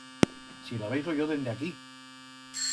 Si la veigo yo dende aquí.